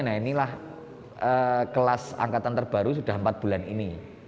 nah inilah kelas angkatan terbaru sudah empat bulan ini